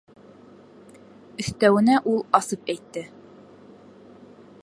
Өҫтәүенә ул асып әйтте: